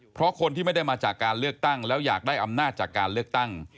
เพราะคนที่ไม่ได้มาจากการเลือกตั้งแล้วอยากได้อำนาจจากการเลือกตั้ง